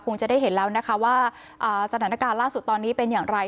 คงจะได้เห็นแล้วนะคะว่าสถานการณ์ล่าสุดตอนนี้เป็นอย่างไร